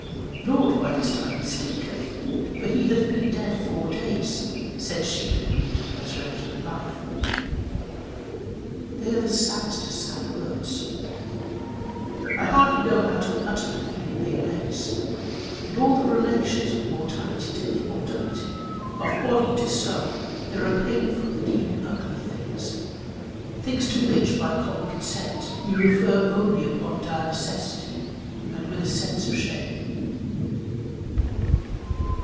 "Lord, by this time he stinketh, for he hath been dead four days," said she who believed in the Resurrection and the Life! They are the saddest of sad words. I hardly know how to utter the feeling they raise. In all the relations of mortality to immortality, of body to soul, there are painful and even ugly things, things to which, by common consent, we refer only upon dire necessity, and with a sense of shame.